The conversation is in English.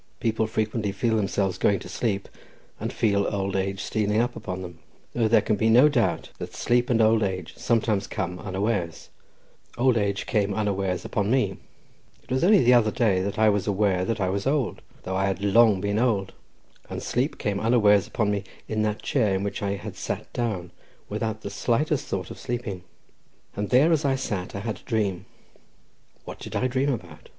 People frequently feel themselves going to sleep, and feel old age stealing upon them; though there can be no doubt that sleep and old age sometimes come unawares—old age came unawares upon me; it was only the other day that I was aware that I was old, though I had long been old, and sleep came unawares upon me in that chair in which I had sat down without the slightest thought of sleeping. And there as I sat I had a dream—what did I dream about?